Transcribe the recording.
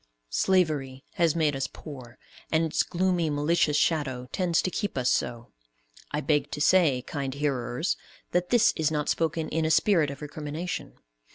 Slavery made us poor, and its gloomy, malicious shadow tends to keep us so. I beg to say, kind hearers, that this is not spoken in a spirit of recrimination.